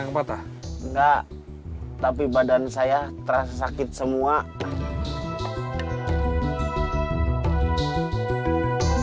hai grasa hadapatah enggak tapi badan saya terasa sakit scheme